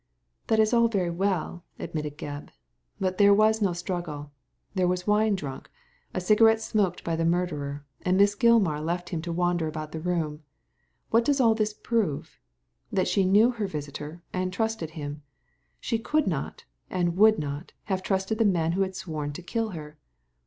"That is all very well," admitted Gebb, "but there was no struggle : there was wine drunk ; a cigarette smoked by the murderer : and Miss Gilmar let him wander about the room. What does all this prove ? That she knew her visitor and trusted him. She could not, and would not, have trusted the man who had sworn to kill her."